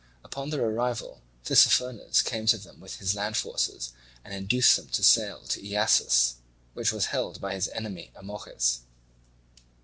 Upon their arrival Tissaphernes came to them with his land forces and induced them to sail to Iasus, which was held by his enemy Amorges.